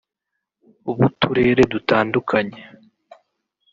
b’uturere dutandukanye”